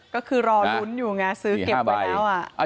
ก็คือรอลุ้นอยู่ไงซื้อเก็บไว้แล้ว